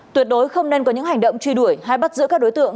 tuyệt đối không nên có những hành động truy đuổi hay bắt giữ các đối tượng